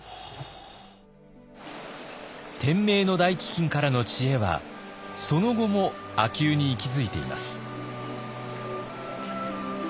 天明の大飢饉からの知恵はその後も秋保に息づいています。